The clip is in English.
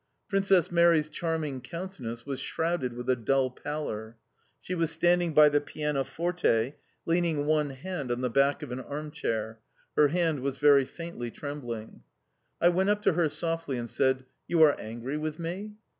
Princess Mary's charming countenance was shrouded with a dull pallor. She was standing by the pianoforte, leaning one hand on the back of an arm chair; her hand was very faintly trembling. I went up to her softly and said: "You are angry with me?"...